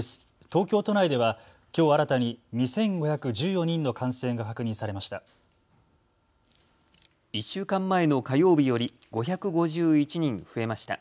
東京都内ではきょう新たに２５１４人の感染が確認されました。